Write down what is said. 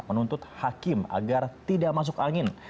menuntut hakim agar tidak masuk angin